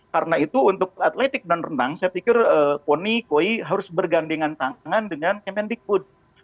karena itu untuk atletik dan renang saya pikir poni koi harus bergandengan tangan dengan kemendikbud